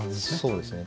そうですね。